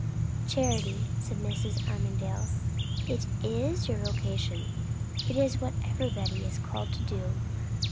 "Charity," said Mrs. Armadale, "it is your vocation. It is what everybody is called to do."